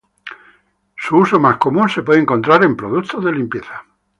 Su uso más común se puede encontrar en productos de limpieza.